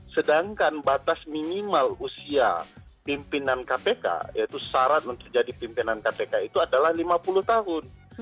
sedangkan batas minimal usia pimpinan kpk yaitu syarat untuk jadi pimpinan kpk itu adalah lima puluh tahun